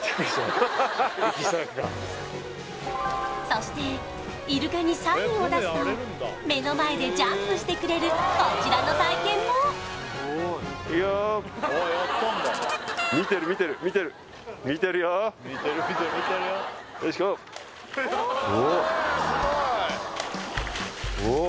そしてイルカにサインを出すと目の前でジャンプしてくれるこちらの体験もいくよおっ